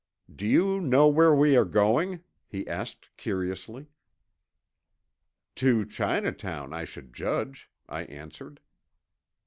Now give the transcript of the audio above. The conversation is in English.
"Do you know where we are going?" he asked curiously. "To Chinatown, I should judge," I answered.